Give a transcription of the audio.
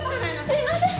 すいません！